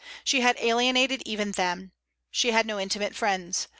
She had alienated even them. She had no intimate friends.